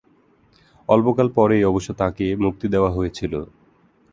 অল্পকাল পরেই অবশ্য তাঁকে মুক্তি দেওয়া হয়েছিল।